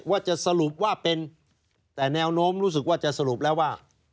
ว่าจะสรุปว่าเป็นแต่แนวโน้มรู้สึกว่าจะสรุปแล้วว่า